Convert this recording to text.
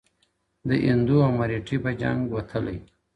د هندو او مرهټه په جنګ وتلی!